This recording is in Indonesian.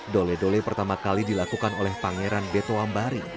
dole dole pertama kali dilakukan oleh pangeran beto ambari